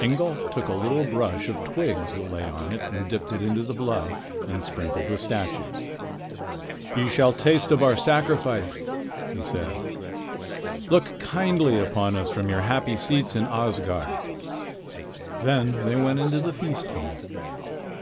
Ingolf took a little brush of twigs that lay on it and dipped it into the blood and sprinkled the statues. "You shall taste of our sacrifice," he said. "Look kindly on us from your happy seats in Asgard." Then they went into the feast hall.